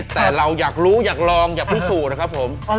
แต่เราอยากรู้อยากลองอยากพิสูจน์นะครับผม